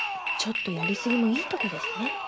ちょっとやり過ぎもいいとこですね。